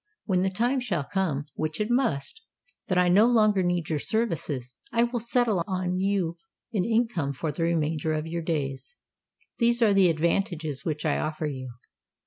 When the time shall come—which it must—that I no longer need your services, I will settle on you an income for the remainder of your days. These are the advantages which I offer you."